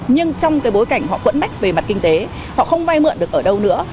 nhưng trong cái bối cảnh họ quẫn bách về mặt kinh tế họ không vay mượn được ở đâu nữa